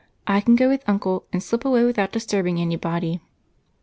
I can go with Uncle and slip away without disturbing anybody."